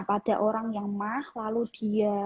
pada orang yang mah lalu dia